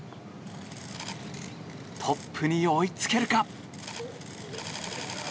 トップに追いつけるか。